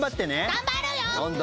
頑張るよん！